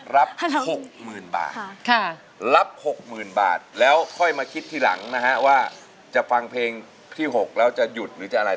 รับ๖๐๐๐บาทรับ๖๐๐๐บาทแล้วค่อยมาคิดทีหลังนะฮะว่าจะฟังเพลงที่๖แล้วจะหยุดหรือจะอะไร